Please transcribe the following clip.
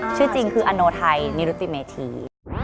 ชื่อจริงคืออันนู้ทายนีรุสิเมที